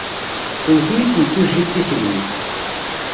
Twet-iyi temsujjit tissegnit.